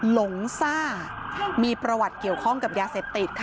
หลงซ่ามีประวัติเกี่ยวข้องกับยาเสพติดค่ะ